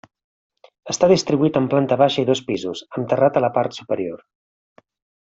Està distribuït en planta baixa i dos pisos, amb terrat a la part superior.